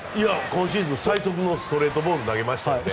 今シーズン最速のストレートボール投げましたので。